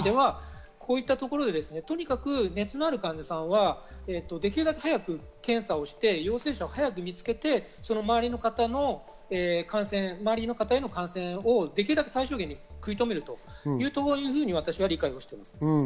こういったところでとにかく熱のある患者さんはできるだけ早く検査をして、陽性者を早く見つけて、周りの方への感染をできるだけ最小限に食い止めるというふうに私は理解しています。